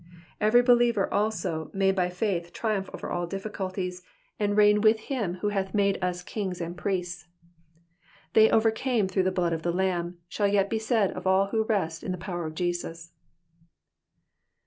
Every believer also may by faith triumph over all difiScuIties, and reign with him who hath made us kings and priests. '* They overcame through the blood of the Lamb," shall yet be said of all who rest in the power of Jesus.